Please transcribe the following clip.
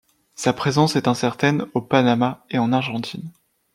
Sa présence est incertaine au Panama et en Argentine.